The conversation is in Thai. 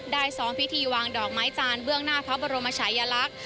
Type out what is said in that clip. ซ้อมพิธีวางดอกไม้จานเบื้องหน้าพระบรมชายลักษณ์